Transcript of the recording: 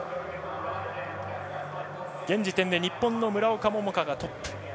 現時点で日本の村岡桃佳がトップ。